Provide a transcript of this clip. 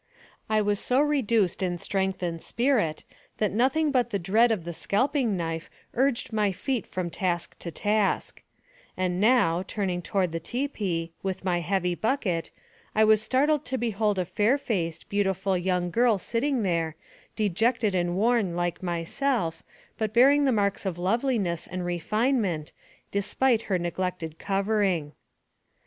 I was so reduced in strength and spirit, that nothing but the dread of the scalping knife urged my feet from task to task; and now, returning toward the tipi, with my heavy bucket, I was startled to behold a fair AMONG THE SIOUX INDIANS. 113 faced, beautiful young girl sitting there, dejected and worn, like myself, but bearing the marks of loveliness and refinement, despite her noglected covering.